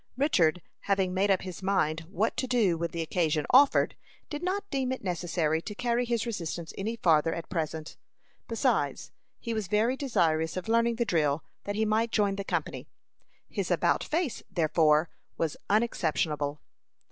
Richard, having made up his mind what to do when the occasion offered, did not deem it necessary to carry his resistance any farther at present. Besides, he was very desirous of learning the drill, that he might join the company. His "about face," therefore, was unexceptionable.